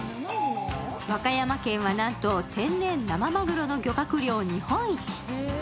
和歌山県はなんと天然生まぐろの漁獲量日本一。